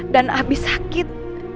dan abi sakit